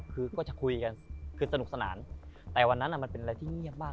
คือก็จะคุยกันคือสนุกสนานแต่วันนั้นมันเป็นอะไรที่เงียบมาก